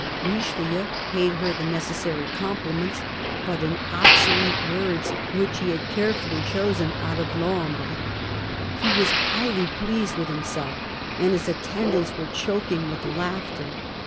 Richelieu paid her the necessary compliments, but in obsolete words which he had carefully chosen out of L'Ombre. He was highly pleased with himself, and his attendants were choking with laughter.